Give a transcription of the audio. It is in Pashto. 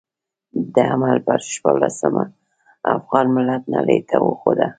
د حمل پر شپاړلسمه افغان ملت نړۍ ته وښوده.